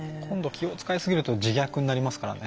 気を使いすぎると自虐になりますからね。